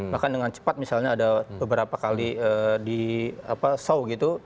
bahkan dengan cepat misalnya ada beberapa kali di show gitu